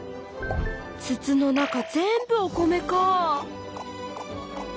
つつの中全部お米かぁ！